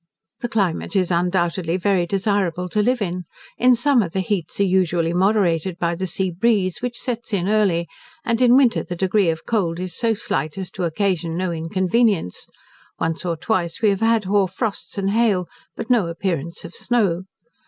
The climate is undoubtedly very desirable to live in. In summer the heats are usually moderated by the sea breeze, which sets in early; and in winter the degree of cold is so slight as to occasion no inconvenience; once or twice we have had hoar frosts and hail, but no appearance of snow.